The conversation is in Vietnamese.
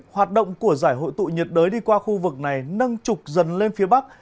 hoạt động của giải hội tụ nhiệt đới đi qua khu vực này nâng trục dần lên phía bắc